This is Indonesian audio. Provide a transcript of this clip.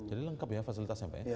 jadi lengkap ya fasilitasnya pak ya